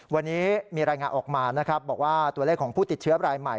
วันนี้มีรายงานออกมานะครับบอกว่าตัวเลขของผู้ติดเชื้อรายใหม่